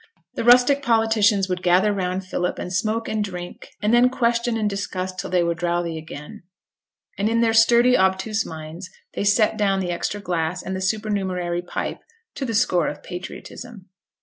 The rustic politicians would gather round Philip, and smoke and drink, and then question and discuss till they were drouthy again; and in their sturdy obtuse minds they set down the extra glass and the supernumerary pipe to the score of patriotism.